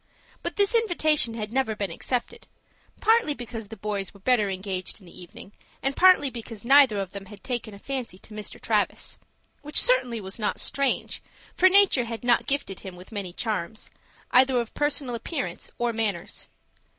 But this invitation had never been accepted, partly because the boys were better engaged in the evening, and partly because neither of them had taken a fancy to Mr. Travis; which certainly was not strange, for nature had not gifted him with many charms, either of personal appearance or manners.